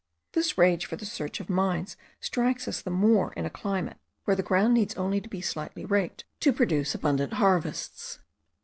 This rage for the search of mines strikes us the more in a climate where the ground needs only to be slightly raked to produce abundant harvests.